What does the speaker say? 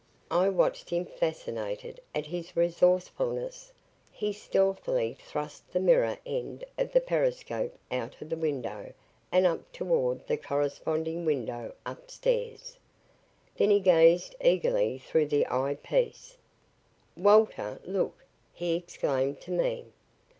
I watched him, fascinated at his resourcefulness. He stealthily thrust the mirror end of the periscope out of the window and up toward the corresponding window up stairs. Then he gazed eagerly through the eye piece. "Walter look!" he exclaimed to me.